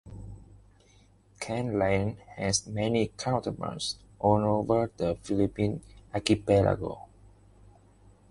Kan-Laon has many counterparts all over the Philippine archipelago.